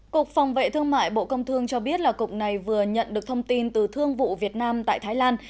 cục phòng vệ thương mại bộ công thương cho biết là cục này vừa nhận được thông tin từ thương vụ việt nam tại thái lan